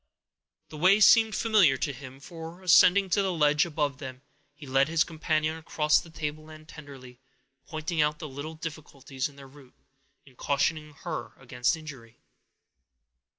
The way seemed familiar to him; for, ascending to the ledge above them, he led his companion across the tableland tenderly, pointing out the little difficulties in their route, and cautioning her against injury.